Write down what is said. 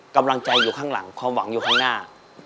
กำลังใจอยู่ข้างหลังความหวังอยู่ข้างหน้า